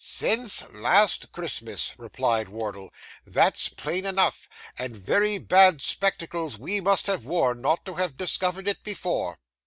'Since last Christmas,' replied Wardle; 'that's plain enough, and very bad spectacles we must have worn, not to have discovered it before.